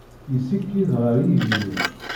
Yessikid ɣer yigenni.